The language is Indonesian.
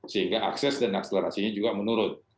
sehingga akses dan akselerasinya juga menurun